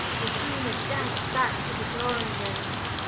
Regina dashed back to the drawing room.